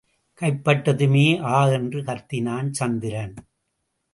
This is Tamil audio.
கைப்பட்டதுமே, ஆ என்று கத்தினான் சந்திரன்.